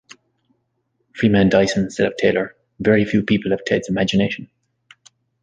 Freeman Dyson said of Taylor, Very few people have Ted's imagination.